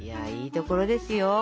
いいところですよ。